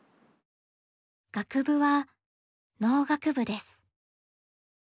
学部は農学部です。